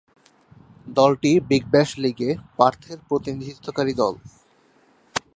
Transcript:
দলটি big bash লীগে পার্থের প্রতিনিধিত্বকারী দল।